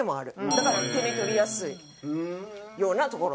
だから手に取りやすいようなところ。